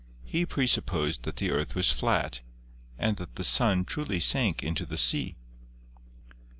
He presupposed that the earth was flat, and that the sun truly sank into the sea.